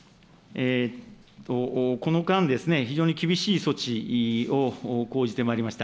この間、非常に厳しい措置を講じてまいりました。